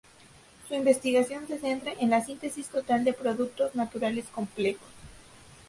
Su investigación se centra en la síntesis total de productos naturales complejos.